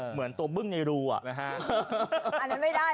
เหมือนตัวเบิ้งในรูอ่ะอันนั้นไม่ได้แล้ว